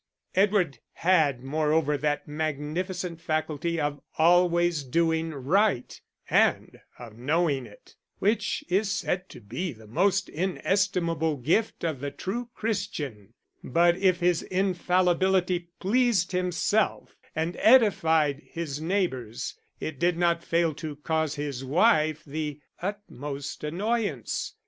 Edward had moreover that magnificent faculty of always doing right and of knowing it, which is said to be the most inestimable gift of the true Christian; but if his infallibility pleased himself and edified his neighbours, it did not fail to cause his wife the utmost annoyance.